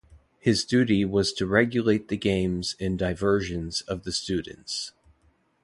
His duty was to regulate the games and diversions of the students.